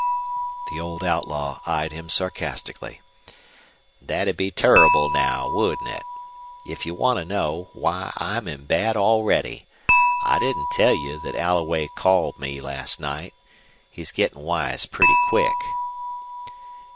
The old outlaw eyed him sarcastically. "Thet 'd be turrible now, wouldn't it? If you want to know, why, I'm in bad already. I didn't tell you thet Alloway called me last night. He's gettin' wise pretty quick."